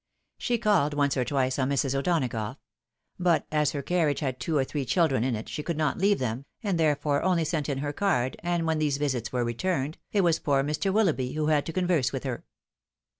She called once or twice on Mrs. O'Donagough ; but as her carriage had two or three children in it, she could not leave them, and therefore only sent in her card, and when these visits were returned, it was poor Mr. Wil loughby who had to converse with her.